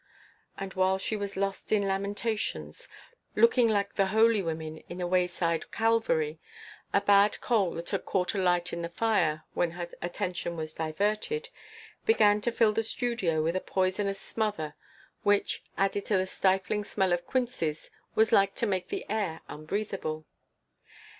And, while she was lost in lamentations, looking like the holy women in a wayside calvary, a bad coal that had caught alight in the fire when her attention was diverted, began to fill the studio with a poisonous smother which, added to the stifling smell of quinces, was like to make the air unbreathable.